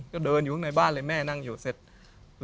ก็เดินอยู่ข้างในบ้านเลยแม่นั่งอยู่เสร็จ